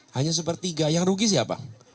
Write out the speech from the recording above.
hanya sepertiga yang rugi siapa